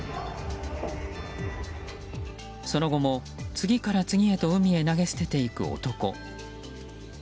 その後も、次から次へと海へ投げ捨てていく男。